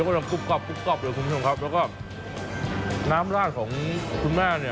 เยอะกว่างกรอบอยู่คุณพิกษมณ์แล้วก็หน้าร่าของคุณแม่